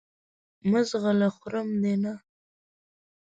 مه ځغله خورم دې نه !